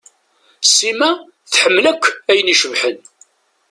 Sima tḥemmel akk ayen icebḥen.